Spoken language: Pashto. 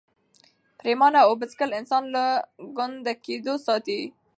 پرېمانه اوبه څښل انسان له ګونډه کېدو ساتي.